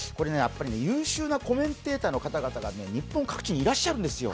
優秀なコメンテーターの方々が日本各地にいらっしゃるんですよ。